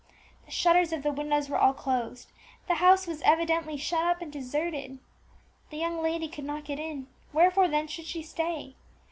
The shutters of the windows were all closed, the house was evidently shut up and deserted. The young lady could not get in; wherefore, then, should she stay?